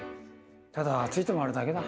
ただついて回るだけだ。